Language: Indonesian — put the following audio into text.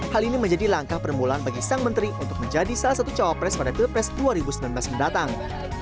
hal ini menjadi langkah permulaan bagi sang menteri untuk menjadi salah satu cawapres pada pilpres dua ribu sembilan belas mendatang